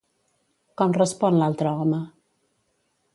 Com respon l'altre home?